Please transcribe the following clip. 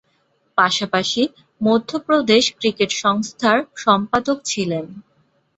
পাশাপাশি, মধ্যপ্রদেশ ক্রিকেট সংস্থার সম্পাদক ছিলেন।